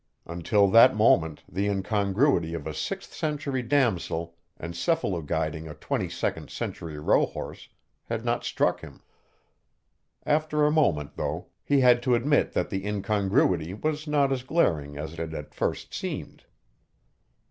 Until that moment, the incongruity of a sixth century damosel encephalo guiding a twenty second century rohorse had not struck him. After a moment, though, he had to admit that the incongruity was not as glaring as it had at first seemed.